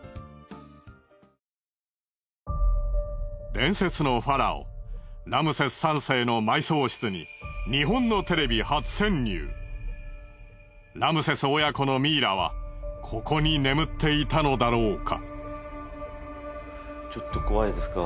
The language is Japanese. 伝説のファラオラムセス３世の埋葬室にラムセス親子のミイラはここに眠っていたのだろうか？